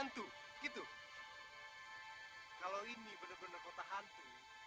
disini ada kota hantu